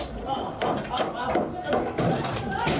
กลับไป